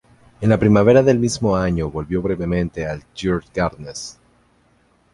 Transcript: En la primavera del mismo año volvió brevemente al Djurgårdens.